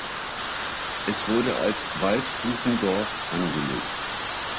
Es wurde als Waldhufendorf angelegt.